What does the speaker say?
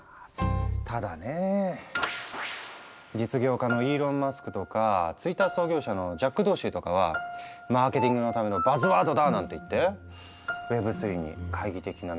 ただね実業家のイーロン・マスクとかツイッター創業者のジャック・ドーシーとかは「マーケティングのためのバズワードだ」なんて言っていてＷｅｂ３に懐疑的な見方を示してもいる。